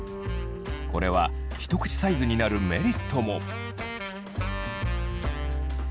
これはひと口サイズになるメリットも。